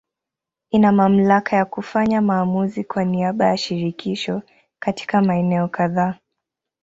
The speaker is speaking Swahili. Ina mamlaka ya kufanya maamuzi kwa niaba ya Shirikisho katika maeneo kadhaa.